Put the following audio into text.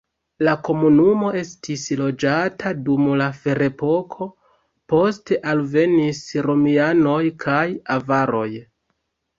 La komunumo estis loĝata dum la ferepoko, poste alvenis romianoj kaj avaroj.